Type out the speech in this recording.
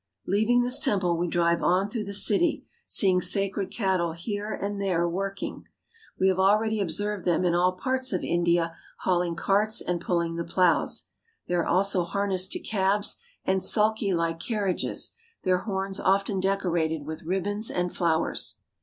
Leaving this temple we drive on through the city, see ing sacred cattle here and there working. We have al ready observed them in all parts of India hauling carts and pulling the plows. They are also harnessed to cabs 284 THE RELIGIONS OF INDIA and sulkylike carriages, their horns often decorated with ribbons and flowers.